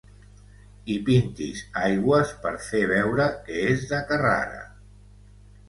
Hi pintis aigües per fer veure que és de Carrara.